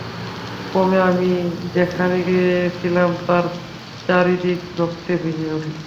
ক্রমে আমি যেখানে ছিলাম তার চারি দিক রক্তে ভিজিয়া উঠিল।